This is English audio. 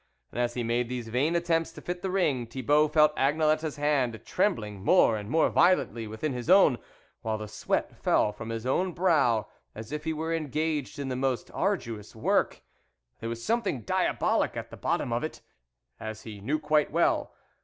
And as he made these vain attempts to fit the ring, Thibault felt Agnelette's hand trembling more and more violently within his own, while the sweat fell from his own brow, as if he were engaged in the most arduous work ; there was something diabolic at the bottom of it, as he knew quite well.